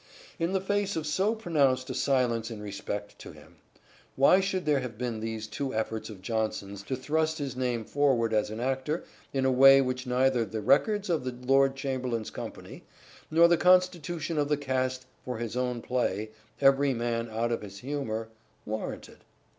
In the face of so pronounced a silence in respect to him, why should there have been these two efforts of Jonson's to thrust his name forward as an actor in a way which neither the records of the Lord Chamberlain's company nor the constitution of the cast for his own play " Every Man out of his Humour " warranted